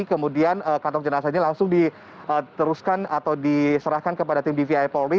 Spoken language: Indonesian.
kemudian kantong jenazah ini langsung diteruskan atau diserahkan kepada tim dvi polri